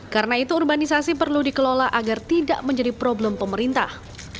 karena itu urbanisasi perlu dikelola agar tidak menjadi problem pemerintah